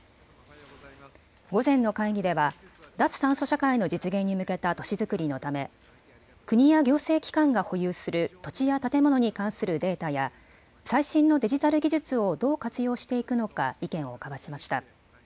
午前の会議では脱炭素社会の実現に向けた都市づくりのため国や行政機関が保有する土地や建物に関するデータや最新のデジタル技術をどう活用していくのか意見を交わしました。